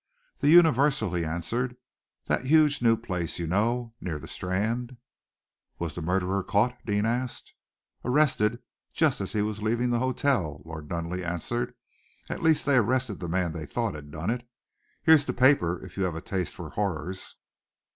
"The Universal," he answered, "that huge new place, you know, near the Strand." "Was the murderer caught?" Deane asked. "Arrested just as he was leaving the hotel," Lord Nunneley answered, "at least they arrested the man they thought had done it. Here's the paper, if you have a taste for horrors."